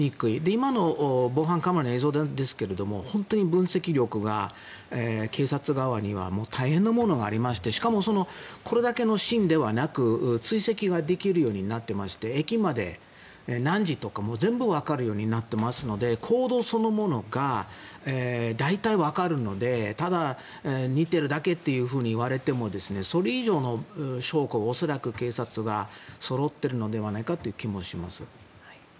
今の防犯カメラの映像ですが本当に分析力が警察側には大変なものがありましてしかもこれだけのシーンではなく追跡ができるようになっていまして駅まで何時とか全部わかるようになっていますので行動そのものが大体わかるのでただ、似ているだけと言われてもそれ以上の証拠が恐らく警察はそろってるのではないかという気がします。